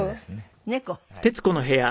猫？